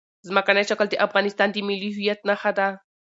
ځمکنی شکل د افغانستان د ملي هویت نښه ده.